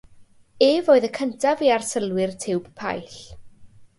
Ef oedd y cyntaf i arsylwi'r tiwb paill.